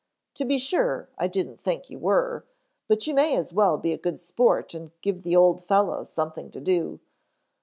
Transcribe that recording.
"To be sure, I didn't think you were, but you may as well be a good sport and give the old fellow something to do.